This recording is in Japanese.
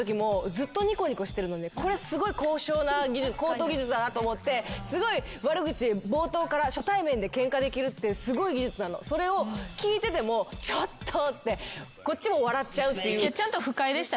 これすごい高等技術だなと思ってすごい悪口冒頭から初対面でケンカできるってすごい技術なのそれを聞いてても「ちょっと」ってこっちも笑っちゃうっていう。